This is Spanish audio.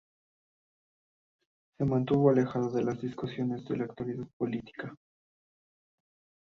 Se mantuvo alejado de las discusiones de actualidad política.